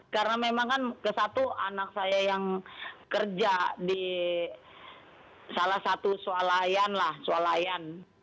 karena memang kan ke satu anak saya yang kerja di salah satu swalayan lah swalayan